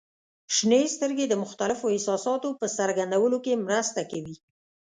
• شنې سترګې د مختلفو احساساتو په څرګندولو کې مرسته کوي.